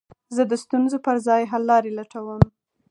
زه د ستونزو پر ځای، حللاري لټوم.